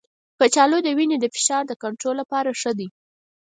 کچالو د وینې د فشار د کنټرول لپاره ښه دی.